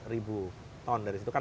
ribu ton dari situ kan